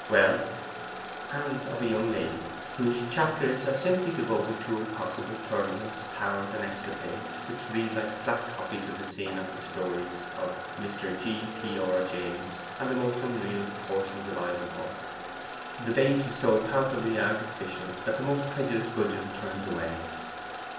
Well: "Hands of a young lady...whose chapters are simply devoted to impossible tournaments, towers, and escapades, which read like flat copies of like scenes in the stories of Mr. G. P. R. James, and the most unreal portions of IVANHOE. The bait is so palpably artificial that the most credulous gudgeon turns away."